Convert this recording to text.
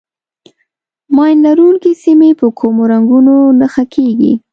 ماین لرونکي سیمې په کومو رنګونو نښه کېږي.